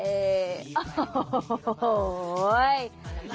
โอ้โฮโอ้โฮโอ้โฮ